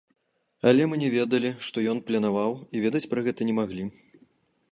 Але мы не ведалі, што ён планаваў, і ведаць пра гэта не маглі.